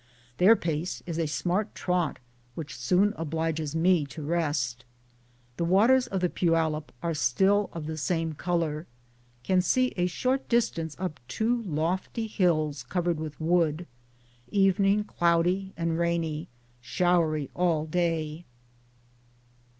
Their pace is a smart trot which soon obliges me to rest. The waters of the Poyallip are still of the same colour. Can see a short distance up two lofty hills covered with wood. Evening cloudy and rainy. Showery all day.